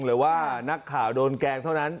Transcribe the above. หรือว่านักข่าวโดนแกล้งเท่านั้น